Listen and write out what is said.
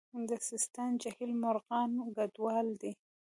د سیستان جهیل مرغان کډوال دي